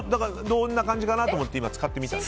どんな感じかなと思ってさっき使ってみた。